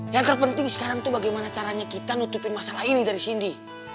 yang terpenting sekarang itu bagaimana caranya kita nutupin masalah ini dari sini